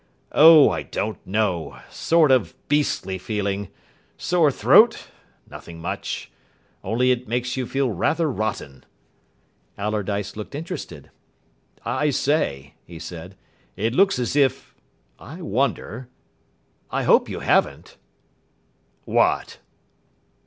"Oh, I don't know. Sort of beastly feeling. Sore throat. Nothing much. Only it makes you feel rather rotten." Allardyce looked interested. "I say," he said, "it looks as if I wonder. I hope you haven't." "What?"